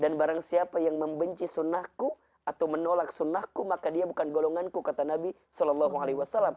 dan barang siapa yang membenci sunnahku atau menolak sunnahku maka dia bukan golonganku kata nabi saw